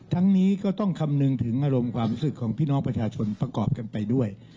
ทั้งนี้ก็ต้องคำนึงถึงอารมณ์ความรู้สึกของพี่น้องประชาชนประกอบกันไปด้วย